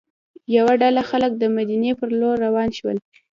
یوه ډله خلک د مدینې پر لور روان شول.